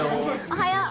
おはよう。